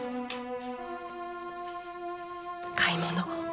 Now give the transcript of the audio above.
買い物。